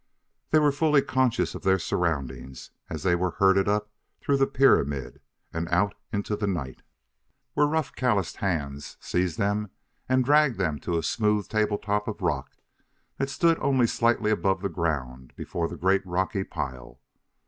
They were fully conscious of their surroundings as they were herded up through the pyramid and out into the night, where rough, calloused hands seized them and dragged them to a smooth table top of rock that stood only slightly above the ground before the great rocky pile.